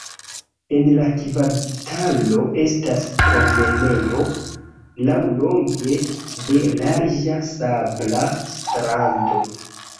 En la kvartalo estas promenejo laŭlonge de larĝa sabla strando.